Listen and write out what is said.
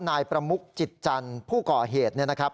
นายประมุกจิตจันทร์ผู้ก่อเหตุเนี่ยนะครับ